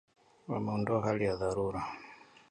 Wameondoa hali ya dharura.